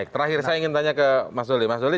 terakhir saya ingin tanya ke mas zoli